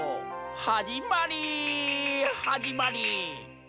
はじまりはじまり。